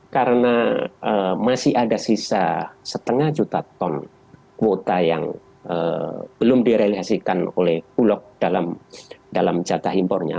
karena masih ada sisa setengah juta ton kuota yang belum direalisasikan oleh bulog dalam jatah impornya